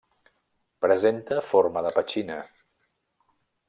Presenta forma de petxina.